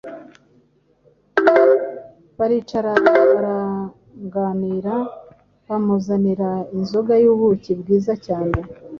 Baricara baraganira, bamuzanira inzoga y’ubuki bwiza cyane